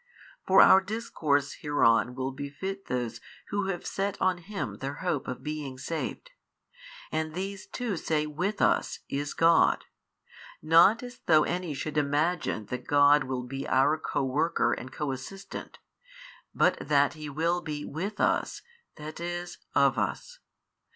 For our discourse hereon will befit those who have set on Him their hope of being saved. And these too say With us is God, not as though any should imagine that God will be our co worker and co assistant, but that He will be with us, that is, of us.